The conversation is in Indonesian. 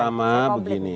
yang pertama begini